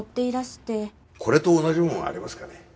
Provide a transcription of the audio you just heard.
これと同じものありますかね？